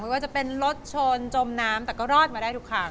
ว่าจะเป็นรถชนจมน้ำแต่ก็รอดมาได้ทุกทาง